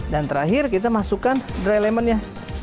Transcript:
dan terakhir kita masukkan lemon keringnya